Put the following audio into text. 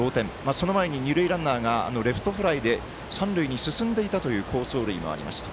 その前に二塁ランナーがレフトフライで三塁に進んでいたという好走塁もありました。